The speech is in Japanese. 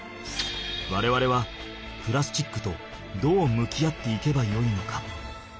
われわれはプラスチックとどう向き合っていけばよいのか。